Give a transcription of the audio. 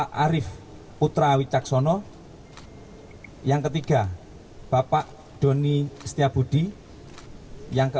kita tapi selamat latihan gak untuk esto rasho hurry saja